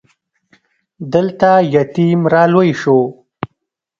دلته يتيم را لوی شو.